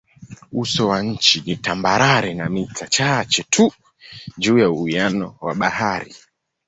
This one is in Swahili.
Uso wa nchi ni tambarare na mita chache tu juu ya uwiano wa bahari.